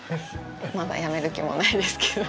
まだ辞める気もないですけど。